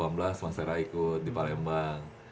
mas sarah ikut di palembang